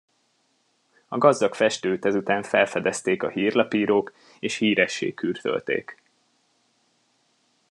A gazdag festőt ezután felfedezték a hírlapírók, és híressé kürtölték.